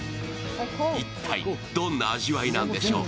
一体どんな味わいなんでしょうか。